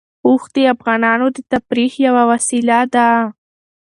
اوښ د افغانانو د تفریح یوه وسیله ده.